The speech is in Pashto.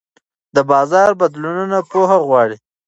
د بازار بدلونونه پوهه غواړي.